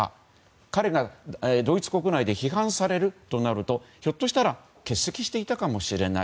彼がドイツ国内で批判されるとなるとひょっとしたら欠席していたかもしれない。